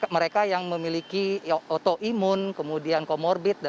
mereka yang memiliki autoimun kemudian comorbid